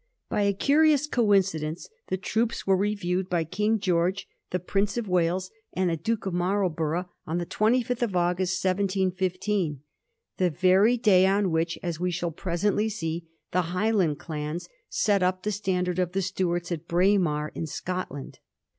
By a curious coincidence the troops were reviewed by King George, the Prince of Wales, and the Duke of Marlborough, on the 25th August, 1715, the very day on which, as we shall presently see, the Highland clans set up the standard of the Stuarts at Braemar, in Scotland.